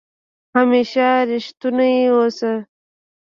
همېشه ریښتونی اوسه